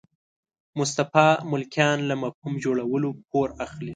مصطفی ملکیان له مفهوم جوړولو پور اخلي.